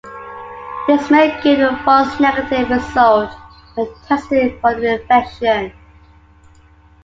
This may give a false negative result when testing for the infection.